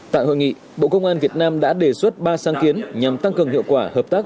tại hội nghị bộ công an việt nam đã đề xuất ba sáng kiến nhằm tăng cường hiệu quả hợp tác